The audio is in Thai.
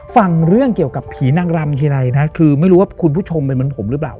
ฟังเรื่องเกี่ยวกับผีนางรำทีไรนะคือไม่รู้ว่าคุณผู้ชมเป็นเหมือนผมหรือเปล่า